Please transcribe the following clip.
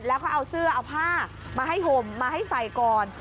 แล้วก็เอาเสื้อเอาผ้ามาให้ห่มมาให้ใส่ก่อน